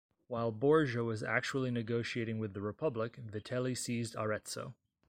While Borgia was actually negotiating with the republic, Vitelli seized Arezzo.